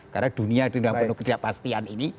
karena dunia tidak penuh kejapastian ini